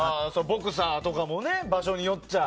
ボクサーとかも場所によっちゃ。